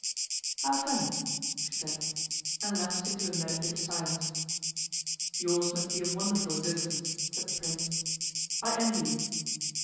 'How funny!' she said, and lapsed into a meditative silence. 'Yours must be a wonderful existence,' said the Prince. 'I envy you.